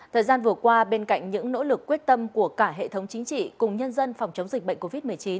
thời gian vừa qua bên cạnh những nỗ lực quyết tâm của cả hệ thống chính trị cùng nhân dân phòng chống dịch bệnh covid một mươi chín